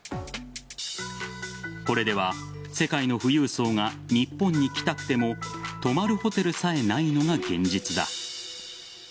これでは、世界の富裕層が日本に来たくても泊まるホテルさえないのが現実だ。